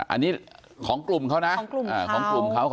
อันนี้ของกลุ่มเขานะของกลุ่มเขา